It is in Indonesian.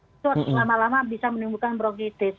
lama lama bisa menimbulkan bronkitis